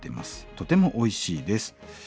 とてもおいしいです」。